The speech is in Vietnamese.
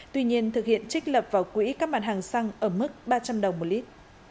tuy nhiên thực hiện trích lập vào quỹ các mặt hàng xăng ở mức ba trăm linh đồng một lít